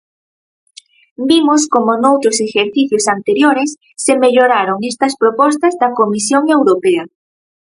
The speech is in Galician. Vimos como noutros exercicios anteriores se melloraron estas propostas da Comisión Europea.